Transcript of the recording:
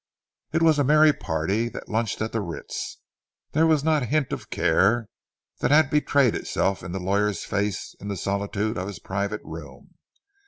It was a merry party that lunched at the Ritz. There was not a hint of the care that had betrayed itself in the lawyer's face in the solitude of his private room.